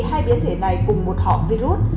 hai biến thể này cùng một họ virus